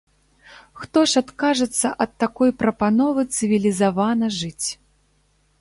Хто ж адкажацца ад такой прапановы цывілізавана жыць?